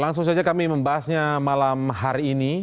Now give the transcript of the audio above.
langsung saja kami membahasnya malam hari ini